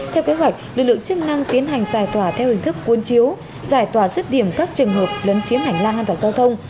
theo kế hoạch lực lượng chức năng tiến hành giải tỏa theo hình thức cuốn chiếu giải tỏa dứt điểm các trường hợp lấn chiếm hành lang an toàn giao thông